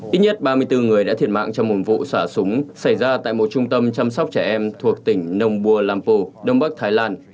ít nhất ba mươi bốn người đã thiệt mạng trong một vụ xả súng xảy ra tại một trung tâm chăm sóc trẻ em thuộc tỉnh nông bùa lampo đông bắc thái lan